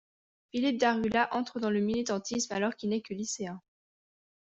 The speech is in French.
Philippe Darriulat entre dans le militantisme alors qu’il n’est que lycéen.